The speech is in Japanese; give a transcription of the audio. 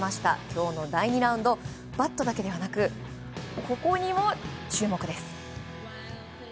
今日の第２ラウンドバットだけではなくここにも注目です。